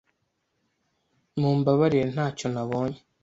Mumbabarire ntacyo nabonye.